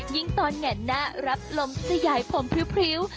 ยิ่งตอนแหงหน้ารับลมสะยายผมพริ้ว